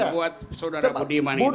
buat saudara budiman itu